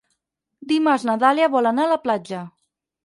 Dimarts na Dàlia vol anar a la platja.